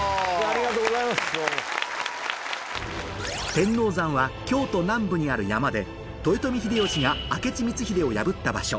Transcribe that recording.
天王山は京都南部にある山で豊臣秀吉が明智光秀を破った場所